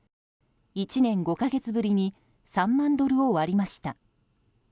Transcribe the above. １年５か月ぶりに３万ドルを割りました。